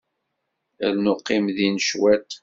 Rnu qqim din cwiṭ.